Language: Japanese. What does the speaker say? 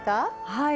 はい。